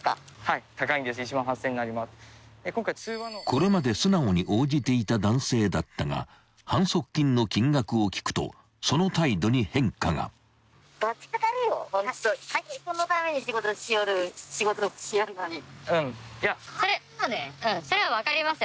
［これまで素直に応じていた男性だったが反則金の金額を聞くとその態度に変化が］お願いします。